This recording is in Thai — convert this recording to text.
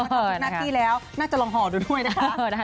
ทำทุกหน้าที่แล้วน่าจะลองห่อดูด้วยนะคะ